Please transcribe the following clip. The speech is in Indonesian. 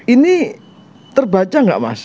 ini terbaca gak mas